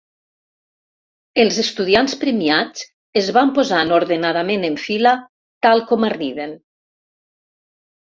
Els estudiants premiats es van posant ordenadament en fila, tal com arriben.